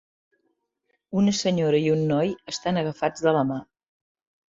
Una senyora i un noi estan agafats de la mà.